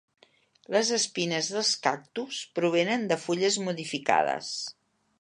Les espines dels cactus provenen de fulles modificades.